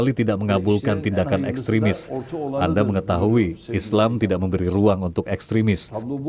kali tidak mengabulkan tindakan ekstremis anda mengetahui islam tidak memberi ruang untuk ekstremis